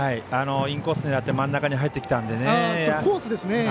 インコースを狙って真ん中に入ってきたので。